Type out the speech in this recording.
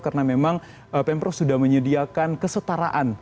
karena memang pemprov sudah menyediakan kesetaraan